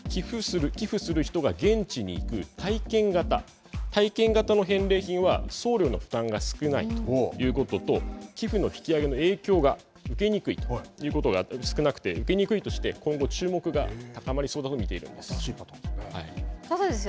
寄付する人が現地に行く体験型の返礼品は送料の負担が少ないということと寄付の引き上げの影響が受けにくいということが少なくて受けにくいとして今後、注目が高まりそうと見ているんです。